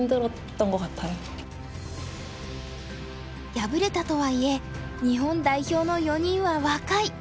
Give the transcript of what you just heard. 敗れたとはいえ日本代表の４人は若い。